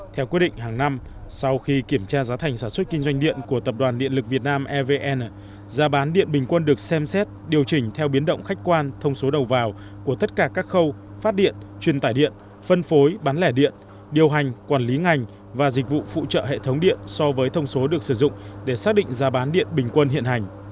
theo quyết định hàng năm sau khi kiểm tra giá thành sản xuất kinh doanh điện của tập đoàn điện lực việt nam evn giá bán điện bình quân được xem xét điều chỉnh theo biến động khách quan thông số đầu vào của tất cả các khâu phát điện truyền tải điện phân phối bán lẻ điện điều hành quản lý ngành và dịch vụ phụ trợ hệ thống điện so với thông số được sử dụng để xác định giá bán điện bình quân hiện hành